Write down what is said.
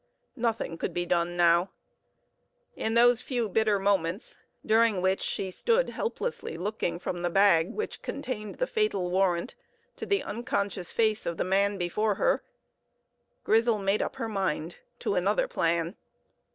Nothing could be done now. In those few bitter moments, during which she stood helplessly looking from the bag which contained the fatal warrant to the unconscious face of the man before her, Grizel made up her mind to another plan.